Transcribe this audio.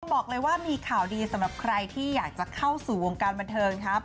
บอกเลยว่ามีข่าวดีสำหรับใครที่อยากจะเข้าสู่วงการบันเทิงครับ